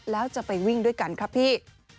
แล้วจะไปวิ่งด้วยกันครับพี่